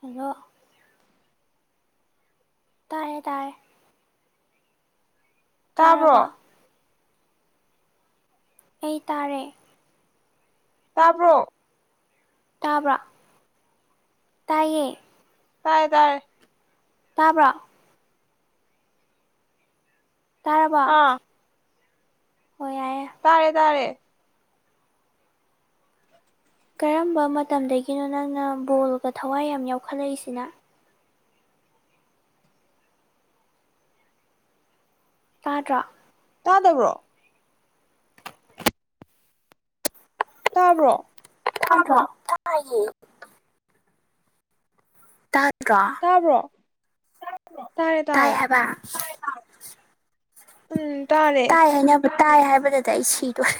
hello ꯇꯥꯔꯦ ꯇꯥꯔꯦ ꯇꯥꯔꯕꯣ ꯇꯥꯕ꯭ꯔꯣ ꯑꯩ ꯇꯥꯔꯦ ꯇꯥꯕ꯭ꯔꯣ ꯇꯥꯕ꯭ꯔ ꯇꯥꯏꯌꯦ ꯇꯥꯏꯌꯦ ꯇꯥꯔꯦ ꯇꯥꯕ꯭ꯔꯥ ꯇꯥꯔꯕꯣ ꯑꯥ ꯇꯥꯔꯦ ꯇꯥꯔꯦ ꯀꯔꯝꯕ ꯃꯇꯝꯗꯒꯤꯅꯣ ꯅꯪꯅ ꯕꯣꯜꯒ ꯊꯋꯥꯏ ꯌꯥꯝ ꯌꯥꯎꯈꯠꯂꯛꯏꯁꯤꯅ ꯇꯥꯗ꯭ꯔꯣ ꯇꯥꯗꯕ꯭ꯔꯣ ꯇꯥꯕ꯭ꯔꯣ ꯇꯥꯗ꯭ꯔꯣ ꯇꯥꯏꯌꯦ ꯗꯔꯣ ꯇꯥꯕ꯭ꯔꯣ [unintelligible] ꯇꯥꯔꯦ ꯇꯥꯏ ꯇꯥꯔꯦ ꯍꯥꯏꯕ ꯎꯝ ꯇꯥꯔꯦ ꯇꯥꯏ ꯍꯥꯏꯅꯕ ꯇꯥꯏ ꯍꯥꯏꯕꯗꯗ ꯑꯩ ꯁꯤꯗꯣꯔꯦ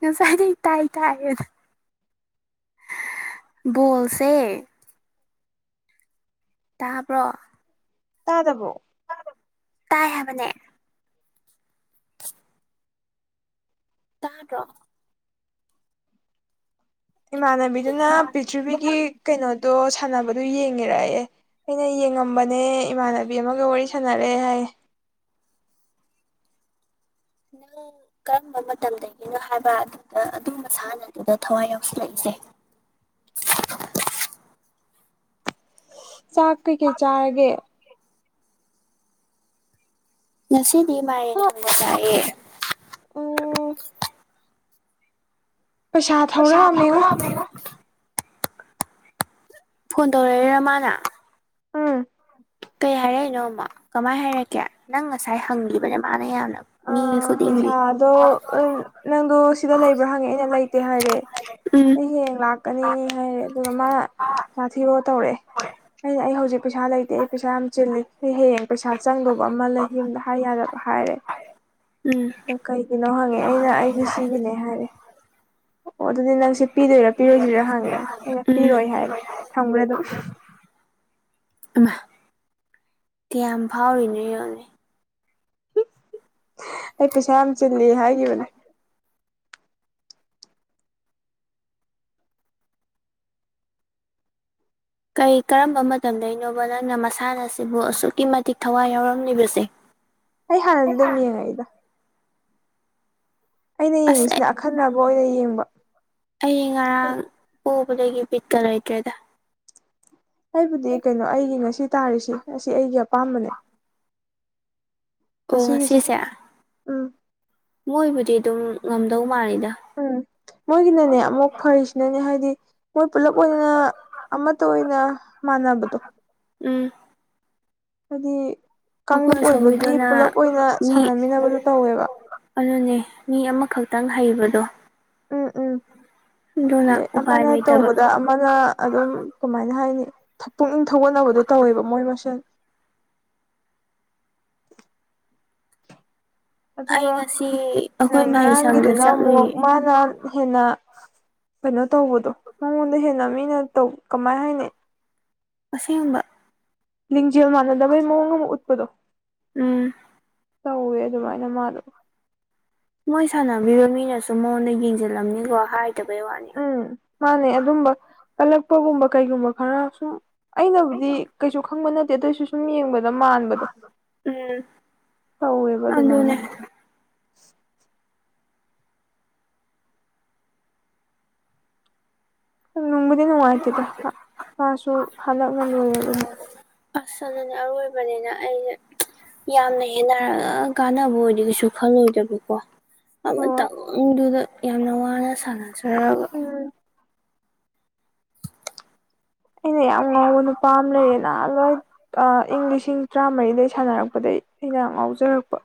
ꯉꯁꯥꯏꯗꯩ ꯇꯥꯏ ꯇꯥꯏꯌꯦꯅ ꯕꯣꯜꯁꯦ ꯇꯥꯕ꯭ꯔꯣ ꯇꯥꯗꯕ꯭ꯔꯣ ꯇꯥꯏ ꯍꯥꯏꯕꯅꯦ ꯇꯥꯗ꯭ꯔꯣ ꯏꯃꯥꯟꯅꯕꯤ ꯏꯃꯥꯟꯅꯕꯤꯗꯨꯅ ꯄꯤꯊ꯭ꯔꯤꯚꯤꯒꯤ ꯀꯩꯅꯣꯗꯣ ꯁꯥꯟꯅꯕꯗꯨ ꯌꯦꯡꯉꯤꯔꯌꯦ ꯑꯩꯅ ꯌꯦꯡꯉꯝꯕꯅꯦ ꯏꯃꯥꯟꯅꯕꯤ ꯑꯃꯒ ꯋꯥꯔꯤ ꯁꯥꯟꯅꯔꯑꯦ ꯍꯥꯏꯌꯦ ꯅꯪ ꯀꯔꯝꯕ ꯃꯇꯝꯗꯒꯤꯅꯣ ꯍꯥꯏꯕ ꯑꯗꯨꯗ ꯑꯗꯨ ꯃꯁꯥꯟꯅꯗꯨꯗ ꯊꯋꯥꯏ ꯌꯥꯎꯁꯜꯂꯛꯏꯁꯦ [unintelligible] ꯆꯥꯛ ꯀꯩꯀꯩ ꯆꯥꯔꯒꯦ ꯉꯁꯤꯗꯤ ꯃꯥꯥꯏꯔꯦꯟ ꯆꯥꯛ ꯊꯣꯡꯕ ꯆꯥꯑꯦ ꯎꯝ ꯄꯩꯁꯥ ꯊꯧꯔꯛꯑꯃꯦ ꯉꯣ ꯐꯣꯟ ꯇꯧꯔꯛꯏꯊꯔ ꯃꯥꯅ ꯑꯨꯝ ꯀꯩ ꯍꯥꯏꯔꯛꯏꯅꯣꯃ ꯀꯃꯥꯏꯅ ꯍꯥꯏꯔꯛꯀꯦ ꯅꯪ ꯉꯁꯥꯏ ꯍꯪꯈꯤꯕꯅꯦ ꯃꯥꯅ ꯌꯥꯝꯅ ꯃꯤ ꯑꯥ ꯈꯨꯗꯤꯡꯒꯤ ꯄꯩꯁꯥꯗꯣ ꯅꯪꯗꯣ ꯁꯤꯗ ꯂꯩꯕ꯭ꯔꯣ ꯍꯪꯉꯦ ꯑꯩꯅ ꯂꯩꯇꯦ ꯍꯥꯏꯔꯦ ꯎꯝ ꯑꯩ ꯍꯌꯦꯡ ꯂꯥꯛꯀꯅꯤ ꯍꯥꯏꯔꯦ ꯑꯗꯨꯒ ꯃꯥ ꯁꯥꯊꯤꯔꯣ ꯇꯧꯔꯛꯑꯦ ꯑꯩꯅ ꯑꯩ ꯍꯧꯖꯤꯛ ꯄꯩꯁꯥ ꯂꯩꯇꯦ ꯑꯩ ꯄꯩꯁꯥ ꯌꯥꯝ ꯆꯤꯜꯂꯤ ꯑꯩ ꯍꯌꯦꯡ ꯄꯩꯁꯥ ꯆꯪꯗꯧꯕ ꯑꯃ ꯂꯩ ꯌꯨꯝꯗ ꯍꯥꯏ ꯌꯥꯗꯕ ꯍꯥꯏꯔꯦ ꯎꯝ ꯑꯗꯣ ꯀꯩꯒꯤꯅꯣ ꯍꯪꯉꯦ ꯑꯩꯅ ꯑꯩꯒꯤ ꯁꯤꯒꯤꯅꯦ ꯍꯥꯏꯔꯦ ꯑꯣ ꯑꯗꯨꯗꯤ ꯅꯪꯁꯦ ꯄꯤꯗꯣꯏꯔꯥ ꯄꯤꯔꯣꯏꯗꯣꯏꯔꯥ ꯍꯪꯉꯦ ꯑꯩꯅ ꯎꯝ ꯄꯤꯔꯣꯏ ꯍꯥꯏꯔꯦ ꯊꯝꯈ꯭ꯔꯦ ꯑꯗꯨꯝ ꯑꯃ ꯀꯌꯥꯝ ꯐꯥꯎꯔꯤꯅꯣ ꯌꯣꯉꯣꯅꯦ ꯑꯩ ꯄꯩꯁꯥ ꯌꯥꯝ ꯆꯤꯜꯂꯤ ꯍꯥꯏꯈꯤꯕꯅꯦ ꯀꯔꯤ ꯀꯔꯝꯕ ꯃꯇꯝꯗꯒꯤꯅꯣꯕ ꯅꯪꯅ ꯃꯁꯥꯟꯅ ꯑꯁꯤꯕꯨ ꯑꯁꯨꯛꯀꯤ ꯃꯇꯤꯛ ꯊꯋꯥꯏ ꯌꯥꯎꯔꯝꯂꯤꯕꯁꯦ ꯑꯩ ꯍꯥꯟꯅꯗꯤ ꯑꯗꯨꯝ ꯌꯦꯡꯉꯛꯏꯗ ꯑꯩꯅ ꯑꯁ ꯌꯦꯡꯉꯤꯁꯤꯅ ꯑꯈꯟꯅꯕ ꯑꯣꯏꯅ ꯌꯦꯡꯕ ꯑꯩ ꯉꯔꯥꯡ ꯄ ꯀꯒꯤ ꯄꯤꯠꯀ ꯂꯩꯏꯇ꯭ꯔꯦꯗ ꯑꯩꯕꯨꯗꯤ ꯀꯩꯅꯣ ꯑꯩꯒꯤ ꯉꯁꯤ ꯇꯥꯔꯤꯁꯦ ꯑꯁꯤ ꯑꯩꯒꯤ ꯑꯄꯥꯝꯕꯅꯦ ꯑꯣ ꯉꯁꯤꯒꯤꯁꯦ ꯉꯁꯤꯁꯦ ꯎꯝ ꯃꯣꯏꯕꯨꯗꯤ ꯑꯗꯨꯝ ꯉꯝꯗꯧ ꯃꯥꯜꯂꯤꯗ ꯎꯝ ꯃꯣꯏꯒꯤꯅꯅꯦ ꯑꯃꯨꯛ ꯐꯔꯤꯁꯤꯅꯅꯦ ꯍꯥꯏꯗꯤ ꯃꯣꯏ ꯄꯨꯂꯞ ꯑꯣꯏꯅ ꯑꯃꯠꯇ ꯑꯣꯏꯅ ꯃꯥꯟꯅꯕꯗꯣ ꯎꯝ ꯍꯥꯏꯗꯤ ꯀꯥꯡꯂꯨꯞ ꯑꯩꯈꯣꯏ ꯑꯣꯏꯕꯒꯤ ꯑꯁꯣꯝꯒꯤꯗꯨꯅ ꯄꯨꯂꯞ ꯑꯣꯏꯅ ꯃꯤ ꯁꯥꯟꯅꯃꯤꯟꯅꯕꯗꯨꯣ ꯇꯧꯋꯦꯕ ꯑꯗꯨꯅꯦ ꯃꯤ ꯑꯃꯈꯛꯇꯪ ꯍꯩꯕꯗꯣ ꯎꯝ ꯎꯝ ꯑꯗꯨꯅ ꯑꯗꯩ ꯎꯄꯥꯏ ꯑꯃꯅ ꯂꯩꯇꯕ ꯇꯧꯕꯗ ꯑꯃꯅ ꯑꯗꯨꯝ ꯀꯃꯥꯏꯅ ꯍꯥꯏꯅꯤ ꯄꯨꯛꯅꯤꯡ ꯊꯧꯒꯠꯅꯕꯗꯣ ꯇꯧꯋꯦꯕ ꯃꯣꯏ ꯃꯁꯦꯜ ꯑꯩ ꯑꯗꯨꯒ ꯉꯁꯤ ꯑꯩꯈꯣꯏ ꯃꯍꯩ ꯁꯪꯗ ꯉꯔꯥꯡꯒꯤꯗꯨꯅ ꯑꯃꯨꯛ ꯆꯠꯂꯨꯏꯌꯦ ꯃꯥꯅ ꯍꯦꯟꯅ ꯀꯩꯅꯣ ꯇꯧꯕꯗꯣ ꯃꯉꯣꯟꯗ ꯍꯦꯟꯅ ꯃꯤꯅ ꯇꯧ ꯀꯃꯥꯏ ꯍꯥꯏꯅꯤ ꯑꯁꯦꯡꯕ ꯂꯤꯡꯖꯦꯜ ꯃꯥꯟꯅꯗꯕꯩ ꯃꯑꯣꯡ ꯑꯃ ꯎꯠꯄꯗꯣ ꯎꯝ ꯇꯧꯋꯦ ꯑꯗꯨꯃꯥꯏꯅ ꯃꯥꯗꯣ ꯃꯣꯏ ꯁꯥꯟꯅꯕꯤꯕ ꯃꯤꯅꯁꯨ ꯃꯉꯣꯟꯗ ꯌꯦꯡꯁꯤꯜꯂꯝꯅꯤꯀꯣ ꯍꯥꯏ ꯎꯝ ꯃꯥꯅꯦ ꯑꯗꯨꯝꯕ ꯀꯜꯂꯛꯄꯒꯨꯝꯕ ꯀꯩꯒꯨꯝꯕ ꯈꯔ ꯁꯨꯝ ꯑꯩꯅꯕꯨꯗꯤ ꯀꯩꯁꯨ ꯈꯪꯕ ꯅꯠꯇꯦ ꯑꯗꯨ ꯑꯣꯏꯁꯨ ꯁꯨꯝ ꯌꯦꯡꯕꯗ ꯑꯗꯨꯗ ꯃꯥꯟꯕꯗꯣ ꯎꯝ ꯇꯧꯋꯦꯕ ꯑꯗꯨꯃꯥꯏꯅ ꯑꯗꯨꯅꯦ ꯅꯨꯡꯕꯨꯗꯤ ꯅꯨꯡꯉꯥꯏꯇꯦꯗ ꯃꯥꯁꯨ ꯍꯜꯗꯛꯅ ꯂꯣꯏꯔꯕꯅꯤ ꯑꯁ ꯑꯗꯨꯅꯦ ꯑꯔꯣꯏꯕꯅꯦꯅ ꯑꯩꯅ ꯌꯥꯝꯅ ꯍꯦꯟꯅꯔ ꯀꯥꯟꯅꯕ ꯑꯣꯏꯗꯤ ꯀꯩꯁꯨ ꯈꯜꯂꯣꯏꯗꯕꯀꯣ ꯍꯣꯏ ꯃꯇꯝꯗꯨꯗ ꯌꯥꯝꯅ ꯋꯥꯅ ꯁꯥꯟꯅꯖꯔꯒ ꯎꯝ ꯑꯩꯅ ꯌꯥꯝ ꯉꯥꯎꯕ ꯅꯨꯄꯥ ꯑꯃ ꯂꯩꯌꯦꯅ ꯑꯗꯣ ꯑꯩ ꯏꯪ ꯂꯤꯁꯤꯡ ꯇꯔꯥꯃꯔꯤꯗꯩ ꯁꯥꯟꯅꯔꯛꯄꯗꯒꯤ ꯑꯩꯅ ꯌꯥꯝ ꯉꯥꯎꯖꯔꯛꯄ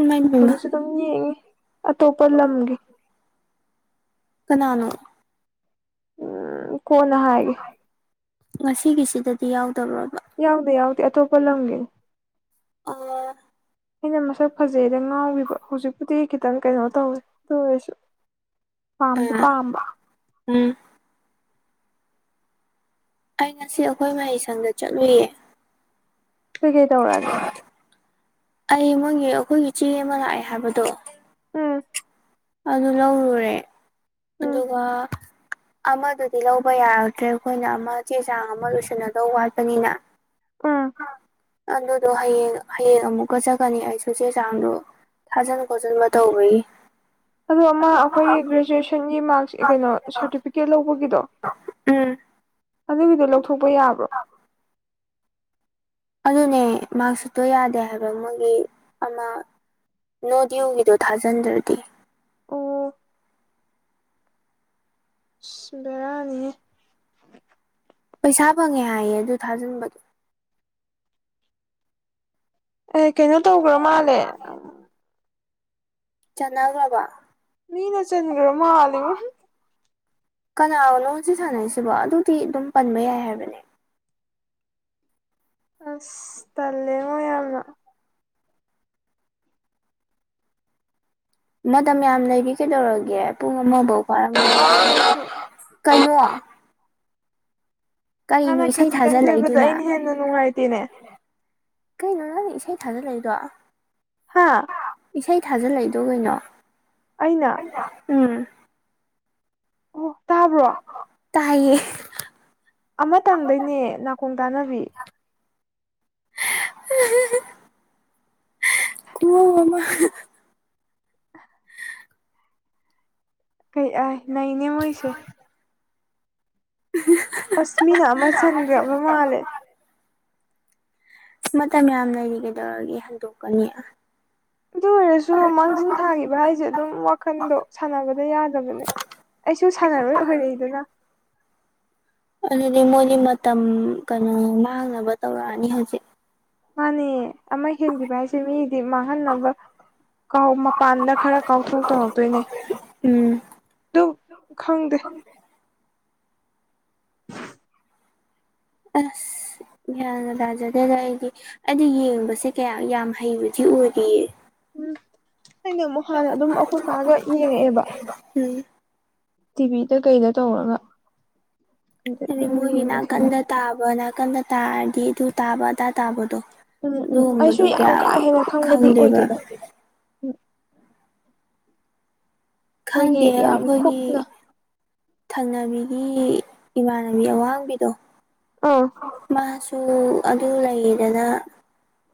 ꯏꯃꯥꯏ ꯄꯦꯝꯃ ꯍꯧꯖꯤꯛꯁꯨ ꯑꯗꯨꯝ ꯌꯦꯡꯉꯤ ꯑꯇꯣꯞꯄ ꯂꯝꯒꯤ ꯀꯅꯥꯅꯣ ꯎꯝ ꯀꯣꯅ ꯍꯥꯏꯔꯒꯦ ꯉꯁꯤꯒꯤꯁꯤꯗꯗꯤ ꯌꯥꯎꯗꯕꯔꯣ ꯌꯥꯎꯗꯦ ꯌꯥꯎꯗꯦ ꯑꯇꯣꯞꯄ ꯂꯝꯒꯤꯅꯤ ꯑꯣ ꯑꯩꯅ ꯃꯁꯛ ꯐꯖꯩꯅ ꯉꯥꯎꯈꯤꯕ ꯍꯧꯖꯤꯛꯄꯨꯗꯤ ꯈꯤꯇꯪ ꯀꯩꯅꯣ ꯇꯧꯔꯦ ꯑꯗꯨ ꯑꯣꯏꯔꯁꯨ ꯄꯥꯝꯗꯤ ꯑ ꯄꯥꯝꯕ ꯎꯝ ꯑꯩ ꯉꯁꯤ ꯑꯩꯈꯣꯏ ꯃꯍꯩ ꯁꯪꯗ ꯆꯠꯂꯨꯌꯦ ꯀꯩ ꯀꯩ ꯇꯧꯔꯛꯑꯒꯦ ꯑꯩ ꯃꯣꯏꯒꯤ ꯑꯩꯈꯣꯏꯒꯤ ꯆꯦ ꯑꯃ ꯂꯥꯛꯑꯦ ꯍꯥꯏꯕꯗꯣ ꯎꯝ ꯑꯗꯨ ꯂꯧꯔꯨꯔꯦ ꯎꯝ ꯑꯗꯨꯒ ꯑꯃꯗꯨꯗꯤ ꯂꯧꯕ ꯌꯥꯔꯛꯇ꯭ꯔꯦ ꯑꯩꯈꯣꯏꯅ ꯑꯃ ꯆꯦ ꯆꯥꯡ ꯑꯃ ꯂꯣꯏꯁꯜꯒꯗꯧꯕ ꯋꯥꯠꯄꯅꯤꯅ ꯎꯝ ꯑꯗꯨꯗꯣ ꯍꯌꯦꯡ ꯍꯌꯦꯡ ꯑꯃꯨꯛ ꯆꯠꯀꯅꯤ ꯑꯩꯁꯨ ꯆꯦ ꯆꯥꯡꯗꯣ ꯊꯥꯖꯤꯟ ꯈꯣꯠꯆꯟꯕ ꯇꯧꯕꯒꯤ ꯑꯗꯣ ꯑꯃ ꯑꯩꯈꯣꯏꯒꯤ ꯒ꯭ꯔꯦꯖꯨꯋꯦꯁꯟꯒꯤ ꯃꯥꯔꯛꯁ ꯀꯩꯅꯣ ꯁꯥꯔꯇꯤꯐꯤꯀꯦꯠ ꯂꯧꯕꯒꯤꯗꯣ ꯎꯝ ꯑꯗꯨꯒꯤꯗꯣ ꯂꯧꯊꯣꯛꯄ ꯌꯥꯕ꯭ꯔꯣ ꯑꯗꯨꯅꯦ ꯃꯥꯔꯛꯁꯤꯠꯇꯣ ꯌꯥꯗꯦ ꯍꯥꯏꯕ ꯃꯣꯏꯒꯤ ꯑꯃ ꯅꯣꯗꯤꯌꯨꯒꯤꯗꯣ ꯊꯥꯖꯤꯟꯗ꯭ꯔꯗꯤ ꯑꯣ ꯑꯁ ꯕꯦꯔꯥꯅꯤꯍꯦ ꯄꯩꯁꯥ ꯐꯪꯉꯦ ꯍꯥꯏꯌꯦ ꯑꯗꯨ ꯊꯥꯖꯤꯟꯕꯗꯣ ꯑꯦ ꯀꯩꯅꯣ ꯇꯧꯈ꯭ꯔꯥ ꯃꯥꯜꯂꯦ ꯆꯅꯥꯒ꯭ꯔꯕ ꯃꯤꯅ ꯆꯟꯒ꯭ꯔꯥ ꯃꯥꯜꯂꯦ ꯉꯣ ꯀꯅꯥꯒꯅꯣ ꯉꯁꯤ ꯁꯥꯟꯅꯩꯁꯤꯕꯣ ꯑꯗꯨꯗꯤ ꯑꯗꯨꯝ ꯄꯟꯕ ꯌꯥꯏ ꯍꯥꯏꯕꯅꯦ ꯑꯁ ꯇꯜꯂꯦꯉꯣ ꯌꯥꯝꯅ ꯃꯇꯝ ꯌꯥꯝ ꯂꯩꯔꯤ ꯀꯩꯗꯧꯔꯒꯦ ꯄꯨꯡ ꯑꯃꯐꯥꯎ ꯋꯥꯔꯝꯒꯤꯔꯣ ꯀꯩꯅꯣ ꯀꯔꯤꯅꯣ ꯃꯥꯅ ꯏꯁꯩ ꯈꯖꯤꯛꯇꯪ ꯁꯣꯏꯕꯗ ꯊꯥꯖꯤꯜꯂꯛꯏꯗꯨꯅ ꯑꯩꯅ ꯍꯦꯟꯅ ꯅꯨꯡꯉꯥꯏꯇꯦꯅꯦ ꯀꯩꯅꯣ ꯅꯪꯅ ꯏꯁꯩ ꯊꯥꯖꯜꯂꯛꯏꯗꯣ ꯍꯥꯥ ꯏꯁꯩ ꯊꯥꯖꯤꯜꯂꯛꯏꯗꯣ ꯀꯩꯅꯣ ꯑꯩꯅ ꯎꯝ ꯑꯣ ꯇꯥꯕ꯭ꯔꯣ ꯇꯥꯏꯌꯦ ꯑꯃꯇꯪꯗꯅꯦ ꯅꯥꯀꯣꯡ ꯇꯥꯟꯅꯕꯤ ꯑꯍꯥ ꯍꯥ ꯈꯨꯉꯧ ꯑꯃ ꯀꯩ ꯑ ꯅꯥꯏꯅꯦ ꯃꯣꯏꯁꯦ ꯑꯁꯃꯤꯅꯥ ꯑꯃ ꯆꯟꯒ꯭ꯔꯕ ꯃꯥꯜꯂꯦ ꯃꯇꯝ ꯌꯥꯝ ꯂꯩꯔꯤ ꯀꯩꯗꯧꯔꯒꯦ ꯍꯟꯗꯣꯛꯀꯅꯤ ꯑꯗꯨ ꯑꯣꯏꯔꯁꯨ ꯃꯥꯡꯖꯤꯟ ꯊꯥꯈꯤꯕ ꯍꯥꯏꯁꯦ ꯑꯗꯨꯝ ꯋꯥꯈꯟꯗꯣ ꯁꯥꯟꯅꯕꯗ ꯌꯥꯗꯕꯅꯦ ꯑꯩꯁꯨ ꯁꯥꯟꯅꯔꯣꯏ ꯑꯣꯏꯔꯛꯏꯗꯅ ꯑꯗꯨꯗꯤ ꯃꯣꯏꯗꯤ ꯃꯇꯝ ꯀꯩꯅꯣ ꯃꯥꯡꯅꯕ ꯇꯧꯔꯛꯑꯅꯤ ꯍꯧꯖꯤꯛ ꯃꯥꯅꯦ ꯑꯃ ꯍꯦꯟꯈꯤꯕ ꯍꯥꯏꯁꯦ ꯃꯤꯗꯤ ꯃꯥꯡꯍꯟꯅꯕ ꯀꯥꯎ ꯃꯄꯥꯟꯗ ꯈꯔ ꯀꯥꯎꯊꯣꯛ ꯇꯧꯍꯧꯛꯇꯣꯏꯅꯦ ꯎꯝ ꯑꯗꯨ ꯈꯪꯗꯦ ꯑꯁ ꯒꯌ꯭ꯥꯟ ꯇꯥꯖꯗꯦꯗ ꯑꯩꯗꯤ ꯑꯩꯗꯤ ꯌꯦꯡꯕꯁꯦ ꯀꯌꯥ ꯌꯥꯝ ꯍꯩꯕꯗꯤ ꯑꯣꯏꯗꯤꯌ ꯎꯝ ꯑꯩꯅ ꯑꯃꯨꯛ ꯍꯥꯟꯅ ꯑꯗꯨꯝ ꯑꯩꯈꯣꯏ ꯕꯥꯒ ꯌꯦꯡꯉꯛꯑꯦꯕ ꯎꯝ ꯇꯤꯚꯤꯗ ꯀꯩꯗ ꯇꯧꯔꯒ ꯑꯗꯨꯗ ꯑꯗꯨꯝ ꯌꯦꯡꯕ ꯍꯩꯅꯔ ꯀꯟꯗ ꯇꯥꯔꯗꯤ ꯑꯗꯨ ꯇꯥꯕ ꯑꯗꯥ ꯇꯥꯕꯗꯣ ꯎꯝ ꯎꯝ ꯑꯩꯁꯨ ꯑꯗꯨꯒꯨꯝꯕꯗꯣ ꯌꯥꯝ ꯀꯌꯥ ꯀꯥ ꯍꯦꯟꯅ ꯈꯪꯕꯗꯤ ꯈꯪꯗꯦꯕ ꯑꯣꯏꯗꯦꯗ ꯎꯝ ꯃꯣꯏꯒꯤ ꯈꯪꯗꯦ ꯌꯥꯝ ꯑꯩꯈꯣꯏꯒꯤ ꯀꯨꯞꯅ ꯊꯪꯅꯕꯤꯒꯤ ꯏꯃꯥꯟꯅꯕꯤ ꯑꯋꯥꯡꯕꯤꯗꯣ ꯑꯥ ꯃꯥꯁꯨ ꯑꯗꯨ ꯑꯗꯨ ꯂꯩꯗꯅ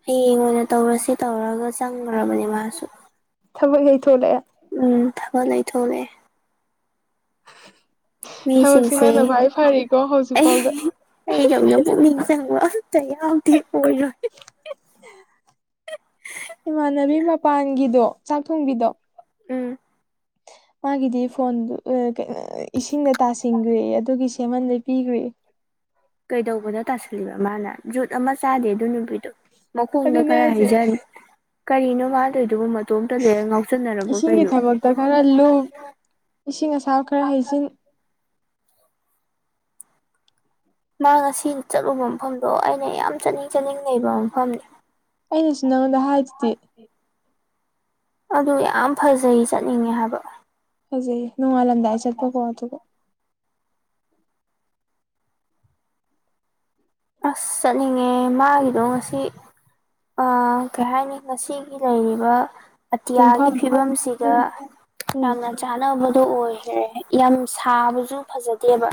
ꯍꯌꯦꯡ ꯑꯣꯏꯅ ꯇꯧꯔꯁꯤ ꯇꯧꯔꯒ ꯆꯪꯉ ꯃꯔꯕꯅꯤ ꯃꯥꯁꯨ ꯊꯕꯛ ꯍꯦꯛ ꯊꯣꯛꯂꯛꯑꯦ ꯎꯝ ꯊꯕ ꯂꯩ ꯊꯅꯦꯦ [inaudible] ꯊꯕꯛꯁꯤ ꯃꯤꯁꯤꯡꯁꯦ ꯅꯪꯅ ꯈ꯭ꯋꯥꯏ ꯐꯔꯤꯀꯣ ꯍꯧꯖꯤꯛ ꯑꯩ ꯐꯥꯎꯗ ꯑꯩꯗꯧꯅ ꯄꯨꯛꯅꯤꯡ ꯆꯪꯕ ꯇ ꯌꯥꯎꯗꯦ ꯑꯣꯏꯔꯣꯏ ꯏꯃꯥꯟꯅꯕꯤ ꯃꯄꯥꯟꯒꯤꯗꯣ ꯆꯥꯛ ꯊꯣꯡꯕꯤꯗꯣ ꯎꯝ ꯃꯥꯒꯤꯗꯤ ꯐꯣꯟꯗꯨ ꯏꯁꯤꯡꯗ ꯇꯥꯁꯤꯟꯈ꯭ꯔꯦ ꯑꯗꯨꯒꯤ ꯁꯦꯝꯃꯟꯗ ꯄꯤꯈ꯭ꯔꯦ ꯀꯩꯗꯧꯕꯗ ꯇꯥꯁꯜꯂꯤꯕ ꯃꯥꯅ ꯖꯨꯠ ꯑꯃ ꯆꯥꯗꯦ ꯑꯗꯨ ꯅꯨꯄꯤꯗꯨ ꯃꯈꯣꯡꯗ ꯑꯗꯨꯅꯦ ꯈꯔ ꯍꯥꯏꯁꯦ ꯍꯩꯖꯟ ꯀꯔꯤꯅꯣ ꯃꯥ ꯇꯧꯔꯤꯗꯨꯕꯨ ꯏꯁꯤꯡꯒꯤ ꯊꯕꯛꯇ ꯈꯔ ꯂꯨ ꯏꯁꯤꯡ ꯑꯁꯕ ꯈꯔ ꯍꯩꯖꯤꯟ ꯃꯥꯅ ꯉꯁꯤ ꯆꯠꯂꯨꯕ ꯃꯐꯝꯗꯣ ꯑꯩꯅ ꯌꯥꯝ ꯆꯠꯅꯤꯡ ꯆꯠꯅꯤꯡ ꯂꯩꯕ ꯃꯐꯝꯅꯤ ꯑꯩꯅꯁꯨ ꯅꯉꯣꯟꯗ ꯍꯥꯏꯗꯨꯗꯤ ꯑꯗꯨ ꯌꯥꯝ ꯐꯖꯩ ꯆꯠꯅꯤꯡꯉꯦ ꯍꯥꯏꯕ ꯐꯖꯩ ꯅꯣꯡꯉꯥꯜꯂꯝꯗꯥꯏ ꯆꯠꯄꯀꯣ ꯑꯗꯨꯒ ꯑꯁ ꯆꯠꯅꯤꯡꯉꯦ ꯃꯥꯒꯤꯗꯣ ꯉꯁꯤ ꯑꯁ ꯀꯩ ꯍꯥꯏꯅꯤ ꯉꯁꯤꯒꯤ ꯂꯩꯔꯤꯕ ꯑꯇꯤꯌꯥꯒꯤ ꯄꯨꯡꯐꯝ ꯐꯤꯕꯝꯁꯤꯒ ꯎꯝ ꯎꯝ ꯌꯥꯝꯅ ꯆꯥꯟꯅꯕꯗꯣ ꯑꯣꯏꯈ꯭ꯔꯦ ꯌꯥꯝ ꯁꯥꯕꯁꯨ ꯐꯖꯗꯦꯕ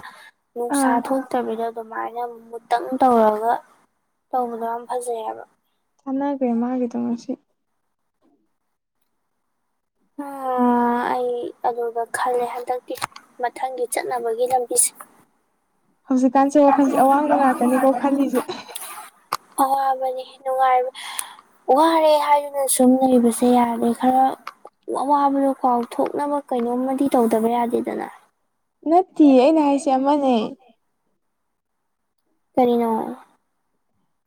ꯅꯨꯡꯁꯥ ꯑꯥ ꯊꯣꯛꯇꯕꯤꯗ ꯑꯗꯨꯃꯥꯏꯅ ꯃꯨꯠ ꯈꯤꯇꯪ ꯇꯧꯔꯒ ꯇꯧꯕꯗꯣ ꯌꯥꯝ ꯐꯖꯩ ꯍꯥꯏꯕ ꯑꯃꯖ ꯃꯥꯒꯤꯗꯣ ꯉꯁꯤ ꯑꯣ ꯑꯩ ꯑꯗꯨꯒ ꯈꯜꯂꯦ ꯍꯟꯗꯛꯇꯤ ꯃꯊꯪꯒꯤ ꯆꯠꯅꯕꯒꯤ ꯂꯝꯕꯤꯁꯦ ꯍꯧꯖꯤꯛꯀꯥꯟꯁꯦ ꯋꯥꯈꯜꯁꯦ ꯑꯋꯥꯡꯕ ꯉꯥꯛꯇꯅꯤꯀꯣ ꯈꯜꯂꯤꯁꯦ [inaudible] ꯑꯋꯥꯕꯅꯤ ꯅꯨꯡꯉꯥꯏꯕ ꯋꯥꯔꯦ ꯍꯥꯏꯗꯨꯅ ꯁꯨꯝ ꯂꯩꯕꯁꯦ ꯌꯥꯔꯣꯢ ꯈꯔ ꯑꯋꯥꯕꯗꯣ ꯀꯥꯎꯊꯣꯛꯅꯕ ꯀꯩꯅꯣꯝꯃꯗꯤ ꯇꯧꯗꯕ ꯌꯥꯗꯦꯗꯅ ꯅꯠꯇꯤꯌꯦ ꯑꯩꯅ ꯍꯥꯏꯁꯦ ꯑꯃꯅꯦ ꯀꯔꯤꯅꯣ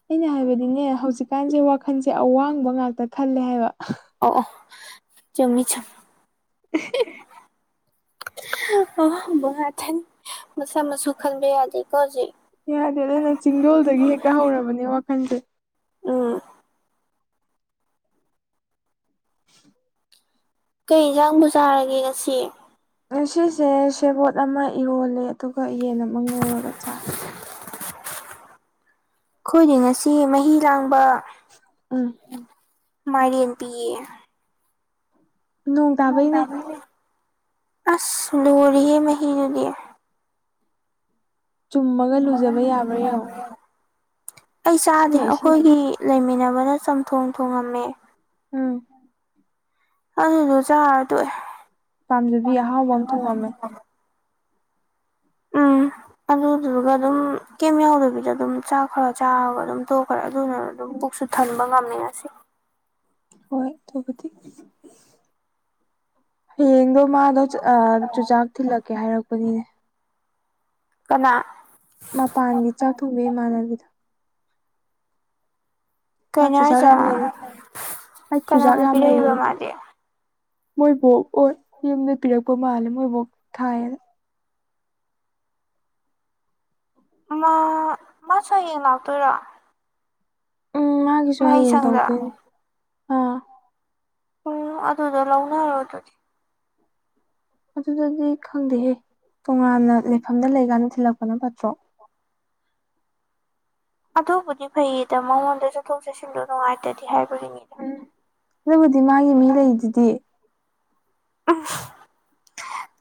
ꯑꯩꯅ ꯍꯥꯏꯕꯗꯤꯅꯦ ꯍꯧꯖꯤꯛꯀꯥꯟꯁꯦ ꯋꯥꯈꯜꯁꯦ ꯑꯋꯥꯡꯕ ꯉꯥꯛꯇ ꯈꯜꯂꯦ ꯍꯥꯏꯕ ꯑꯣ ꯑꯣ ꯆꯨꯝꯃꯤ ꯆꯨꯝꯤ [unintelligible] ꯑꯋꯥꯡꯕ ꯉꯥꯛꯇꯅꯤ ꯃꯆꯥ ꯃꯁꯨ ꯈꯟꯕ ꯌꯥꯗꯦꯀꯣ ꯍꯧꯖꯤꯛ ꯌꯥꯗꯦ ꯑꯗꯨꯅ ꯆꯤꯡꯗꯣꯜꯗꯒꯤ ꯍꯦꯛꯇ ꯍꯧꯔꯕꯅꯦ ꯋꯥꯈꯜꯁꯦ ꯑ [inaudible] ꯀꯩ ꯌꯦꯟꯖꯥꯡꯕꯨ ꯆꯥꯔꯒꯦ ꯉꯁꯤ ꯉꯁꯤꯁꯦ ꯁꯦꯕꯣꯠ ꯑꯃ ꯏꯔꯣꯜꯂꯦ ꯑꯗꯨꯒ ꯌꯦꯟ ꯑꯃ ꯉꯧꯔꯒ ꯆꯥꯔꯦ [inaudible] ꯑꯩꯈꯣꯏꯗꯤ ꯉꯁꯤ ꯃꯍꯤ ꯂꯥꯡꯕ ꯎꯝ [unintelligible] ꯃꯥꯢꯔꯦꯟ ꯄꯤꯌꯦ ꯅꯣꯡ ꯇꯥꯕꯩꯅꯦ ꯑꯁ ꯂꯣꯏꯔꯦꯍꯦ ꯃꯍꯤꯗꯨꯗꯤ ꯆꯨꯝꯃꯒ ꯂꯨꯖꯕ ꯌꯥꯕ꯭ꯔꯥ ꯌꯦꯡꯉꯣ ꯑꯩ ꯆꯥꯗꯦ ꯏꯁꯤꯡꯅ ꯏꯁꯤꯡ ꯑꯩꯈꯣꯏꯒꯤ ꯂꯩꯃꯤꯟꯅꯕꯅ ꯆꯝꯊꯣꯡ ꯊꯣꯡꯉꯝꯃꯦ ꯑꯨꯝ ꯑꯗꯨꯗꯣ ꯆꯥꯔ ꯇꯣꯛꯑꯦ ꯄꯥꯝꯖꯕꯤ ꯑꯍꯥꯎꯕ ꯑꯃ ꯊꯣꯡꯉꯝꯃꯦ ꯑꯨꯝ ꯑꯗꯨꯗꯨꯒ ꯑꯗꯨꯝ ꯀꯩ ꯌꯥꯎꯗꯕꯤꯗ ꯑꯗꯨꯝ ꯆꯥꯛ ꯈꯔ ꯆꯥꯔꯒ ꯑꯗꯨꯝ ꯇꯣꯛꯈ꯭ꯔꯦ ꯑꯗꯨꯅ ꯑꯗꯨꯝ ꯑꯗꯨꯝ ꯄꯨꯛꯁꯨ ꯊꯟꯕ ꯉꯝꯃꯦ ꯉꯁꯤ ꯍꯣꯏ ꯑꯗꯨꯕꯨꯗꯤ ꯍꯌꯦꯡꯗꯣ ꯃꯥꯗꯣ ꯑꯥ ꯆꯨꯖꯥꯛ ꯊꯤꯜꯂꯛꯀꯦ ꯍꯥꯏꯔꯛꯄꯅꯤꯅꯦ ꯀꯅꯥ ꯃꯄꯥꯟꯒꯤ ꯆꯥꯛ ꯊꯣꯡꯕꯤ ꯏꯃꯥꯟꯅꯕꯤꯗꯣ ꯄꯥ ꯀꯩꯅꯣ ꯆꯨꯖꯥꯛ ꯍꯥꯏꯁꯦ ꯌꯥꯝ ꯂꯩ ꯑꯩ ꯆꯨꯖꯥꯛ ꯀꯅꯥꯅ ꯌꯥꯝ ꯂꯩꯌꯦ ꯄꯤꯔꯛꯏꯕ ꯃꯥꯗꯤ ꯃꯣꯏꯕꯣꯛ ꯍꯣꯏ ꯌꯨꯝꯗꯒꯤ ꯄꯤꯔꯛꯄ ꯃꯥꯜꯂꯦ ꯃꯣꯏꯕꯣꯛ ꯊꯥꯏꯌꯦꯅ ꯃꯥ ꯃꯥꯁꯨ ꯍꯌꯦꯡ ꯂꯥꯛꯇꯣꯢꯔꯣ ꯑꯨꯝ ꯃꯥꯒꯤꯁꯨ ꯍꯌꯦꯡ ꯇꯧꯗꯣꯏꯅꯦ ꯑꯥ ꯑꯣ ꯑꯗꯨꯗ ꯂꯧꯅꯔꯣ ꯑꯗꯨꯗꯤ ꯑꯗꯨꯗꯗꯤ ꯈꯪꯗꯦꯍꯦ ꯇꯣꯉꯥꯟꯅ ꯂꯩꯐꯝꯗ ꯂꯩꯀꯥꯟꯗ ꯊꯤꯜꯂꯛꯄꯅ ꯐꯠꯇ꯭ꯔꯣ ꯑꯗꯨꯕꯨꯗꯤ ꯐꯩꯌꯦꯗ ꯃꯉꯣꯟꯗ ꯆꯠꯊꯣꯛ ꯆꯠꯁꯤꯟꯗꯣ ꯅꯨꯡꯉꯥꯏꯇ꯭ꯔꯗꯤ ꯍꯥꯏ ꯑꯨꯝ ꯑꯗꯨꯕꯨꯗꯤ ꯃꯥꯒꯤ ꯃꯤ ꯂꯩꯗꯨꯗꯤ ꯑꯨꯝ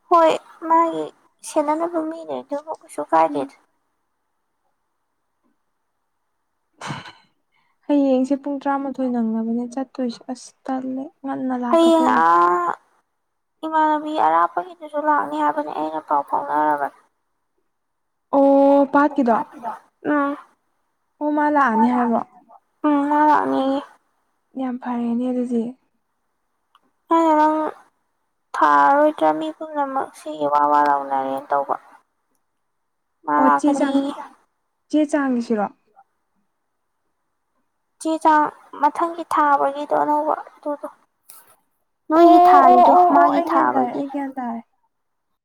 ꯍꯣꯏ ꯃꯥꯒꯤ ꯁꯦꯟꯅꯕ ꯃꯤ ꯂꯩ ꯑꯗꯨꯕꯨ ꯀꯩꯁꯨ ꯀꯥꯏꯗꯦꯗ ꯍꯌꯦꯡꯁꯦ ꯄꯨꯡ ꯇꯔꯥꯃꯥꯊꯣꯏ ꯅꯪꯅꯕꯅꯦ ꯆꯠꯇꯣꯏꯁꯦ ꯑꯁ ꯇꯜꯂꯦ ꯉꯟꯅ ꯂꯥꯛꯇꯕ ꯍꯌꯦꯡ ꯌꯥꯔꯦ ꯑꯥ ꯏꯃꯥꯟꯅꯕꯤ ꯑꯔꯥꯞꯄꯒꯤꯗꯨꯁꯨ ꯂꯥꯛꯅꯤ ꯍꯥꯏꯕꯅꯤ ꯑꯩꯅ ꯄꯥꯎ ꯐꯥꯎꯅꯔꯕꯅꯦ ꯑꯣ ꯄꯥꯠꯀꯤꯗꯣ [unintelligible] ꯑꯨꯝ ꯑꯣ ꯃꯥ ꯂꯥꯛꯑꯅꯤ ꯍꯥꯏꯕ꯭ꯔꯣ ꯑꯨꯝꯝ ꯃꯥ ꯂꯥꯛꯅꯤꯌꯦ ꯌꯥꯝ ꯐꯔꯦꯅꯦ ꯑꯗꯨꯗꯤ [unintelligible] ꯊꯥꯔꯔꯣꯏꯗ꯭ꯔꯥ ꯃꯤ ꯄꯨꯝꯅꯃꯛ ꯁꯤꯒꯤ ꯋꯥ ꯋꯥ ꯂꯥꯎꯅꯔꯦ ꯇꯧꯕ ꯃꯥ ꯑꯣ ꯆꯦ ꯆꯥꯡ ꯂꯥꯛꯀꯅꯤꯌꯦ ꯆꯦ ꯆꯥꯡꯒꯤꯁꯤꯔꯣ ꯆꯦ ꯆꯥꯡ ꯃꯊꯪꯒꯤ ꯊꯥꯕꯒꯤꯗꯣ ꯑꯅꯧꯕ ꯑꯗꯨꯗꯣ ꯑꯣ ꯅꯣꯏꯒꯤ ꯑꯣ ꯊꯥꯔꯤꯗꯣ ꯑꯣ ꯑꯣ ꯃꯥꯒꯤ ꯑꯩ ꯒ꯭ꯌꯥꯟ ꯇꯥꯔꯦ ꯊꯥꯕꯒꯤ ꯑꯩ ꯒ꯭ꯌꯥꯟ ꯇꯥꯔꯦ